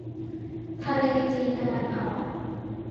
ทะเลจีนตะวันออก